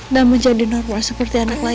dan menjadi normal